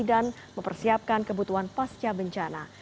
dan mempersiapkan kebutuhan pasca bencana